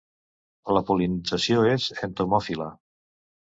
La pol·linització és entomòfila.